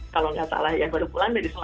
kalau nggak salah ya baru pulang dari semua